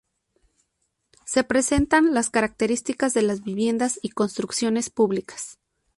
Se presentan las características de las viviendas y construcciones públicas.